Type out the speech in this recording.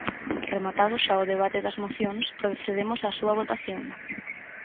Rematado xa o debate das mocións, procedemos á súa votación.